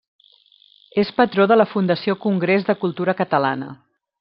És patró de la Fundació Congrés de Cultura Catalana.